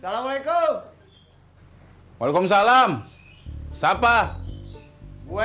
salamualaikum hai walekumsalam sapa gue